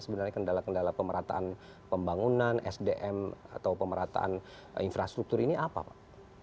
sebenarnya kendala kendala pemerataan pembangunan sdm atau pemerataan infrastruktur ini apa pak